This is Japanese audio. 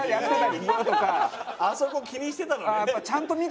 あそこ気にしてたのね。